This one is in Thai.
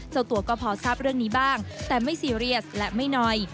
เจ้าตัวก็พอทราบเรื่องนี้บ้างแต่ไม่ซีเรียสและไม่น้อย